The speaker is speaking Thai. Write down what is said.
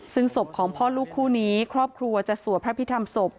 ซึ่งศพของพ่อลูกคู่นี้ครอบครัวจะสวดพระพิธรรมศพ